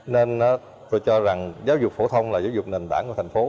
nên tôi cho rằng giáo dục phổ thông là giáo dục nền tảng của thành phố